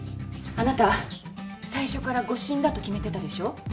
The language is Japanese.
あなた最初から誤診だと決めてたでしょ。